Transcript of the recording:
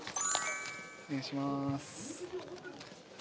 お願いします。